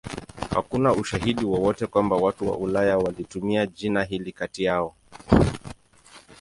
Hakuna ushahidi wowote kwamba watu wa Ulaya walitumia jina hili kati yao.